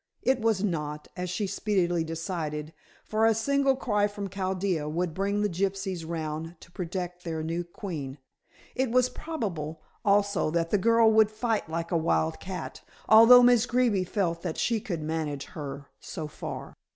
It was not, as she speedily decided, for a single cry from Chaldea would bring the gypsies round to protect their new queen. It was probable also that the girl would fight like a wild cat; although Miss Greeby felt that she could manage her so far.